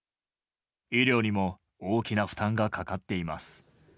医療にも大きな負担がかかっています。